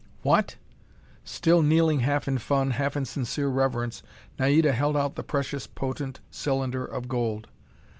"What?" Still kneeling half in fun, half in sincere reverence, Naida held out the precious, potent cylinder of gold.